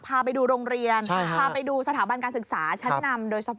พาไปดูโรงเรียนพาไปดูสถาบันการศึกษาชั้นนำโดยเฉพาะ